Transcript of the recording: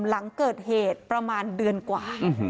หลังเกิดเหตุประมาณเดือนกว่า